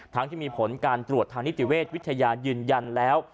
ที่มีผลการตรวจทางนิติเวชวิทยายืนยันแล้ว